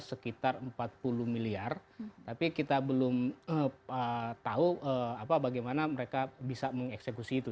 sekitar empat puluh miliar tapi kita belum tahu bagaimana mereka bisa mengeksekusi itu